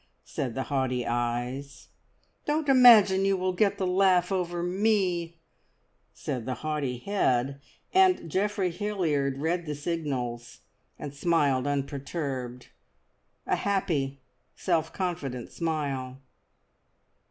said the haughty eyes. "Don't imagine you will get the laugh over me," said the haughty head, and Geoffrey Hilliard read the signals, and smiled unperturbed a happy, self confident smile.